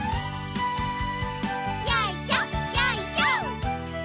よいしょよいしょ。